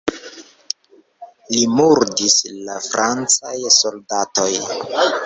Lin murdis la francaj soldatoj.